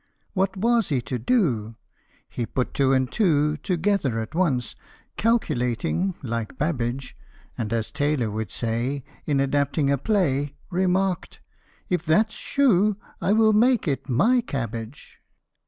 What was he to do ? He put two and two Together at once, " calculating " like Babbage ; And as Taylor would say In adapting a play, Remarked, " If that 's choux, I will make it my cabbage."